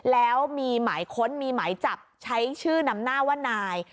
แล้วมีหมายค้นมีหมายจับใช้ชื่อนำหน้าว่านาย